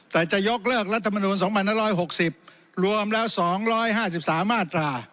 แต่จะยกเลิกรัฐมนูล๒๕๖๐รวมแล้ว๒๕๓มาตรา